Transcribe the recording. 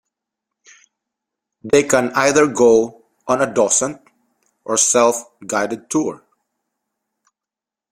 They can either go on a docent or self guided tour.